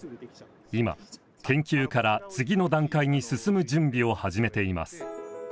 今研究から次の段階に進む準備を始めています。